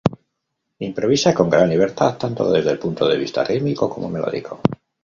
Improvisa con gran libertad, tanto desde el punto de vista rítmico como melódico.